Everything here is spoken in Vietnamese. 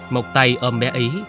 một tay ôm bé ý